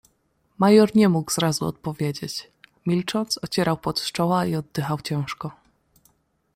"Major nie mógł zrazu odpowiedzieć, milcząc ocierał pot z czoła i oddychał ciężko."